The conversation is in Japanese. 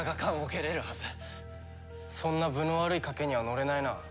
そんな分の悪い賭けにはのれないな。